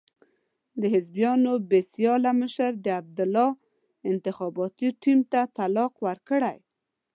د حزبیانو بې سیاله مشر د عبدالله انتخاباتي ټیم ته طلاق ورکړی.